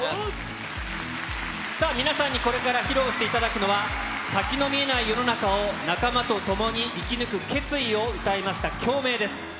さあ、皆さんにこれから披露していただくのは、先の見えない世の中を仲間と共に生き抜く決意を歌いました、共鳴です。